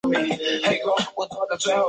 望麒麟育有独生女望阿参。